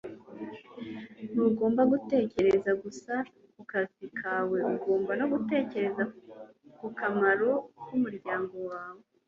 Ntugomba gutekereza gusa ku kazi kawe ugomba no gutekereza ku kamaro kumuryango wawe